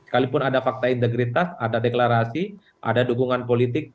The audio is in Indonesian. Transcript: kalaupun ada fakta integritas ada deklarasi ada dukungan politik